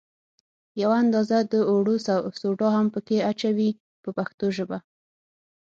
یوه اندازه د اوړو سوډا هم په کې اچوي په پښتو ژبه.